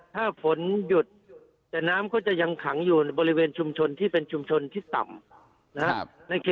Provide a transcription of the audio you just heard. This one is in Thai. ถ้าฝนหยุดแต่น้ำก็จะยังขังอยู่บริเวณชุมชนที่เป็นชุมชนที่ต่ำนะครับ